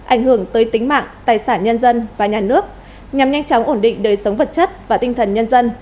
ảnh hưởng tới tính mạng tài sản nhân dân và nhà nước nhằm nhanh chóng ổn định đời sống vật chất và tinh thần nhân dân